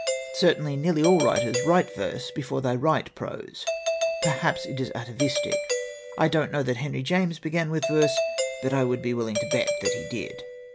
Certainly nearly all writers write verse before they write prose; perhaps it is atavistic. I don't know that Henry James began with verse. But I would be willing to bet that he did.